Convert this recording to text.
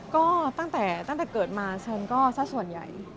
ก็ตั้งแต่เกิดมาฉันก็สักส่วนใหญ่